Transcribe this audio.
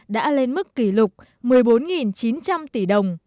đã lên mức kỷ lục một mươi bốn chín trăm linh tỷ đồng